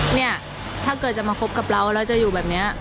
เนี่ยถ้าเกิดจะมาคบกับเราแล้วจะอยู่แบบนี้